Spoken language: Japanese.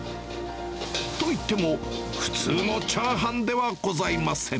と言っても、普通のチャーハンではございません。